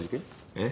えっ？